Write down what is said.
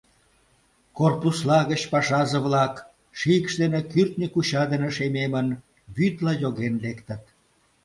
Корпусла гыч пашазе-влак, шикш дене, кӱртньӧ куча дене шемемын, вӱдла йоген лектыт.